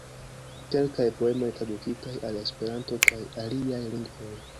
Kelkaj poemoj tradukitaj al Esperanto kaj aliaj lingvoj.